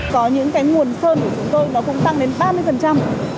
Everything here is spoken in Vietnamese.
có những cái nguồn sơn của chúng tôi nó cũng tăng đến ba mươi